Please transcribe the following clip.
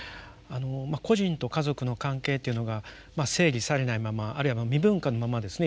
個人と家族の関係っていうのが整理されないままあるいは未分化のままですね